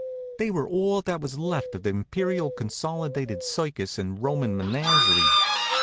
They were all there was left of the Imperial Consolidated Circus and Roman Menagerie.